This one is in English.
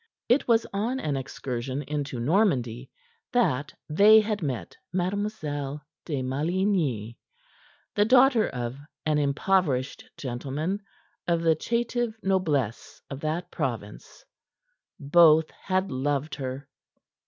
It was on an excursion into Normandy that they had met Mademoiselle de Maligny, the daughter of an impoverished gentleman of the chetive noblesse of that province. Both had loved her.